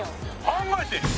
考えてるよ！